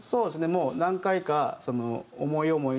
もう何回か思い思いに。